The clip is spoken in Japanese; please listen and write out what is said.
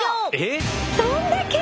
そんだけ！？